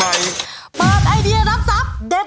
เปิดไอเดียรับทรัพย์เด็ด